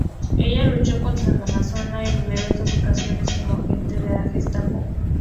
Ella luchó contra la Amazona en numerosas ocasiones como agente de la Gestapo.